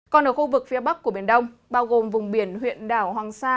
còn ở khu vực phía bắc của biển đông bao gồm vùng biển huyện đảo hoàng sa